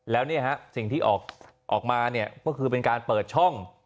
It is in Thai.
แล้วสิ่งที่ออกมาก็คือเป็นการเปิดช่อง